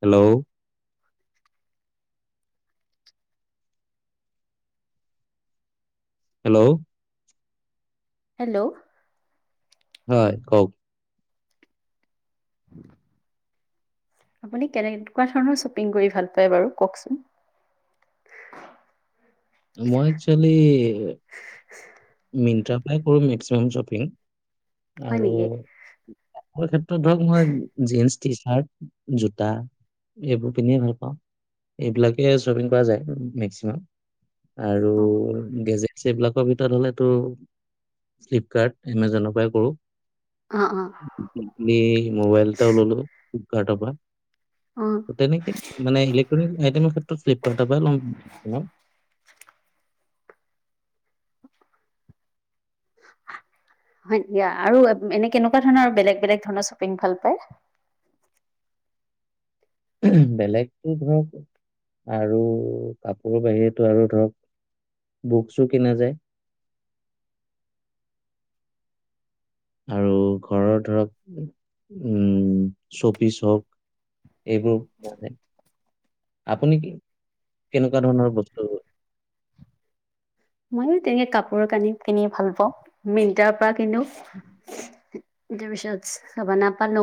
Hello [unintelligible] hello hello হয় কওক আপুনি কেনেকুৱা ধৰণৰ শ্বপিং কৰি ভাল পায় বাৰু কওকচোন মই একচোৱালি মিন্ত্ৰা পাই কৰোঁ মেক্সিমাম শ্বপিং হয় আৰু নেকি? ক্ষেত্ৰত ধৰক মই জন্ টি চাৰ্ট জোতা এইবোৰ পিন্ধিয়ে ভাল পাওঁ এইবিলাকেই শ্বপিং কৰা যায় মেক্সিমাম আৰু অঁ গেজেট সেইবিলাকৰ ভিতৰত হ'লে ফ্লিপকাৰ্ট এমজনৰ পৰাই কৰোঁ অঁ অঁ ম মবাইলটা ললো [unintelligible] অঁ ত তেনেকে মানে ইলেক্ট্ৰনিক আইটেমৰ ক্ষেত্ৰত ফ্লিপকাৰ্টৰ পৰা লম হয় দিয়া আৰু এনে কেনেকুৱা ধৰণৰ বেলেগ বেলেগ ধৰণৰ শ্বপিং ভাল পায় বেলেগ ধৰক আৰু কাপোৰৰ বাহিৰেতো আৰু ধৰক বুকচো কিনা যায় আৰু ঘৰৰ ধৰক উম চপিছ হওক এইবোৰ আপুনি কি কেনেকুৱা ধৰণৰ বস্তু মইো তেনেকে কাপোৰ কানি কিনি ভাল পাও মিন্ত্ৰাৰ পৰা কোনো তাৰ পিছত চাব না পালো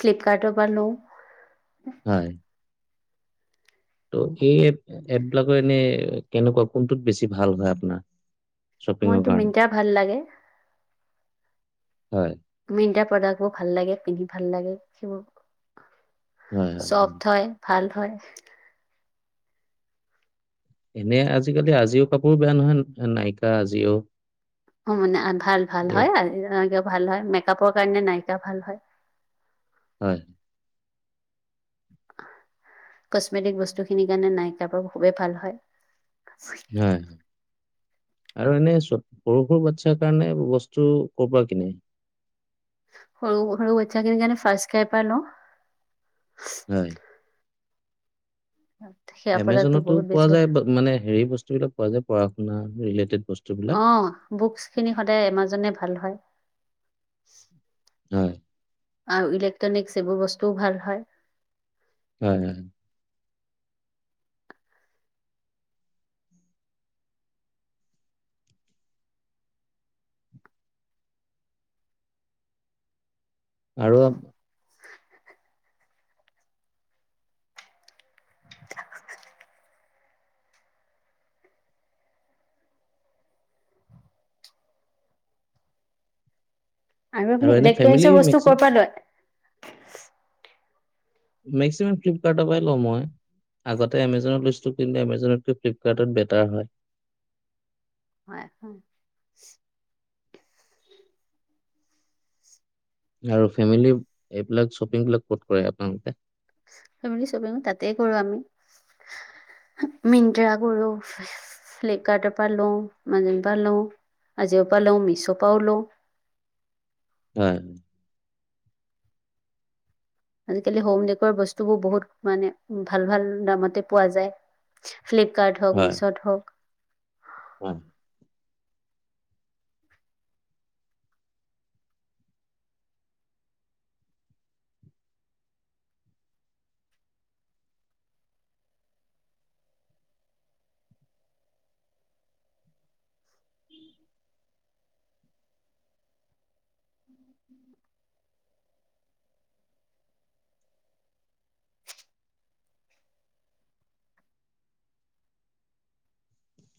ফ্লিপকাৰ্টো পালো হয়, ত' এই এপবিলাকত এনে কেনেকুৱা কোনটোত বেছি ভাল হয় আপোনাৰ শ্বপিঙৰ মোৰটো কাৰণে? মিন্ত্ৰা ভাল লাগে হয় মিন্ত্ৰাৰ প্ৰডাক্ট বোৰ ভাল লাগে পিন্ধি ভাল লাগে সেইবোৰ হয়, হয়, চফট হয় ভাল হয় এনে আজিকালি আজিও কাপোৰ বেয়া নহয় নাইিকা আজিও অঁ মানে ভাল ভাল হয় আৰু ভাল হয় মেকপৰ কাৰণে নায়িকা ভাল হয় হয় কচমিটিক বস্তুখিনিৰ কাৰণে নাইকাৰ খুবেই ভাল হয় হয় আৰু এনে পুৰুষৰ বাচ্ছাৰ কাৰণে বস্তু ক'ৰ পৰা কিনে সৰু সৰু বাটচাখিনিৰ কাৰনে ফাৰ্ষ্টস্কাইৰ পৰা লওঁ হয় সেয়া প্ৰডাক্টটো এমেজনতো বহুত বেছি পোৱা ভাল যায় মানে হেৰি বস্তু বিলাক পোৱা যায় পঢ শু ন ৰিলেটেড বস্তুবিলাক। অঁ বুকচ খিনি সদায় এমাজনে ভাল হয় [unintelligible] হয় আৰু ইলেক্ট্ৰনিকছ এইবোৰ বস্তুও ভাল হয় উ হ আৰু আৰু আপুনি এনে ফেমিলি ইলেকট্ৰনিকছ বস্তু মেক্সি ক'ৰ পৰা লয় [unintelligible] মেক্সিমাম ফ্লিপকাৰ্টৰ পৰাই লওঁ মই আগতে এমেজনৰ লিষ্টটো কিনিলে এমেজনতকৈ ফ্লিপকাৰ্টত বেটাৰ হয় হ [inaudible] আৰু ফেমিলি এইবিলাক শ্বপিংবিলাক ক'ত কৰে আপোনালোকে ফেম স্কপিং তাতে কৰো আমি মিট্ৰা কৰো ফ্লিপকাৰ্টৰ পৰা লওঁ মাজ পৰা লওঁ আজিও পৰা লওঁ মিছ' পৰাও লওঁ হয় আজিকালি হোম ডেকৰ বস্তুবোৰ বহুত মানে ভাল ভাল দামতে পোৱা যায় ফ্লিপকাৰ্ট হওক মিছ'ত হওক অঁ।